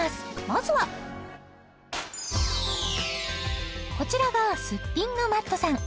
まずはこちらがすっぴんのＭａｔｔさん